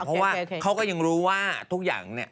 เพราะว่าเขาก็ยังรู้ว่าทุกอย่างเนี่ย